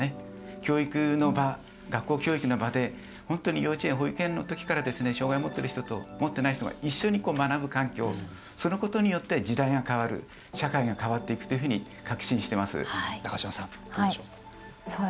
教育の場学校教育の場で本当に幼稚園、保育園のときから障害を持っている人と持っていない人が一緒に学ぶ環境そのことによって時代が変わる社会が変わっていくというふうに中嶋さん、どうでしょう。